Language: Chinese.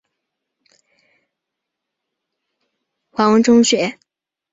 槟城锺灵国民型华文中学是马来西亚槟城州的一所国民型华文中学。